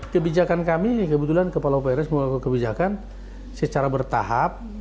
kebijakan kami ini kebetulan kepala prs melakukan kebijakan secara bertahap